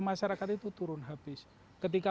masyarakat itu turun habis ketika